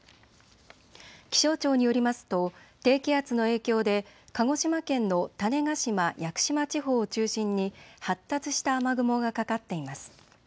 気象庁によりますと低気圧の影響で鹿児島県の種子島・屋久島地方を中心に発達した雨雲がかかっています。